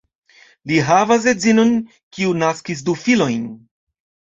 Li havas edzinon, kiu naskis du filojn.